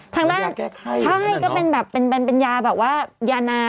การแก้ไข้ใช่ก็เป็นแบบเป็นยาน้ำคือเด็กจะได้ถานง่ายเลยอย่างนี้ค่ะ